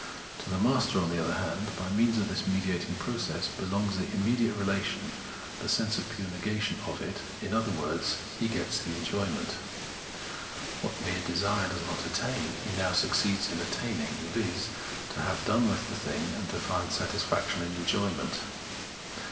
To the master, on the other hand, by means of this mediatiag process, belongs the imme diate relation, in the sense of the pure negation of it, in other words he gets the enjoyment. What mere desire did not attain, he now succeeds in attaining, viz. to have done with the thing, and find satisfaction in enjoyment.